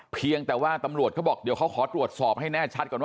เพียงแต่ว่าตำรวจเขาบอกเดี๋ยวเขาขอตรวจสอบให้แน่ชัดก่อนว่า